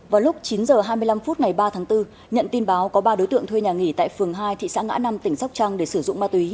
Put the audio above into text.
vào lúc chín h hai mươi năm phút ngày ba tháng bốn nhận tin báo có ba đối tượng thuê nhà nghỉ tại phường hai thị xã ngã năm tỉnh sóc trăng để sử dụng ma túy